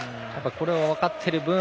これが分かっている分